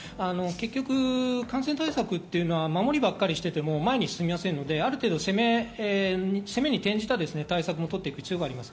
感染対策というのは守りばかりしていても前に進みませんので、攻めに転じた対策も取っていく必要があります。